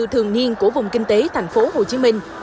thường niên của vùng kinh tế thành phố hồ chí minh